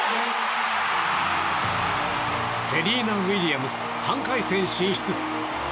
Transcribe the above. セリーナ・ウィリアムズ３回戦進出。